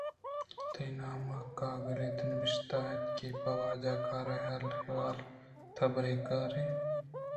تئی نام کاگد ءَ نبشتہ اَت کہ پہ واجہ کار ءَ حال ءُ احوالاں تو برے کارے